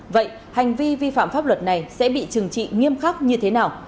vậy hành vi vi phạm pháp luật này sẽ bị trừng trị nghiêm khắc như thế nào